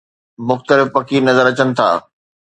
مختلف پکي نظر اچن ٿا